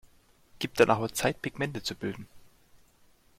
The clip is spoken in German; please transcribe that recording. Gib deiner Haut Zeit, Pigmente zu bilden.